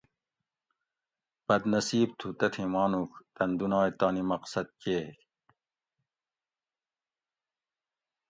بد نصیب تُھو تتھیں مانوڄ تن دنائے تانی مقصد چیگ